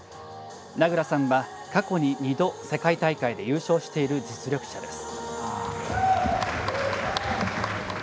名倉さんは過去に２度世界大会で優勝している実力者です。